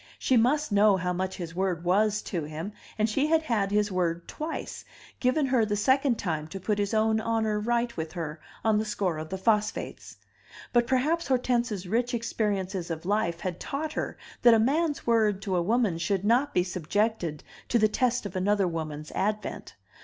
She must know how much his word was to him, and she had had his word twice, given her the second time to put his own honor right with her on the score of the phosphates. But perhaps Hortense's rich experiences of life had taught her that a man's word to a woman should not be subjected to the test of another woman's advent.